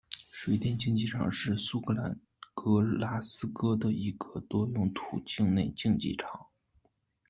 水电竞技场是苏格兰格拉斯哥的一个多用途室内竞技场。